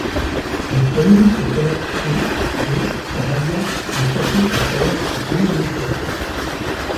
La famille s'éteint au et, par alliance, le château passe alors aux Toulouse-Lautrec.